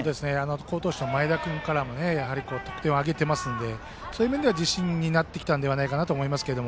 好投手の前田君からも得点を挙げていますのでそういう面では自信になってきたのではないかなと思いますが。